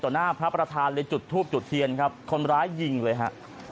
หน้าพระประธานเลยจุดทูบจุดเทียนครับคนร้ายยิงเลยฮะ